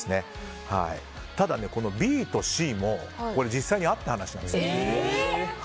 ただ、ＢとＣも実際にあった話なんです。